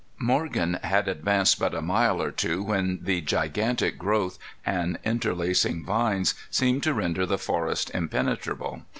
Morgan had advanced but a mile or two when the gigantic growth and interlacing vines seemed to render the forest impenetrable.